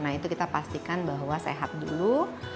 nah itu kita pastikan bahwa sehat dulu